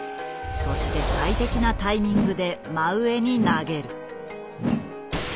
そして最適なタイミングで真上に投げる。